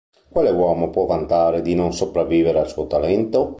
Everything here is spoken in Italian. Quale uomo può vantare di non sopravvivere al suo talento?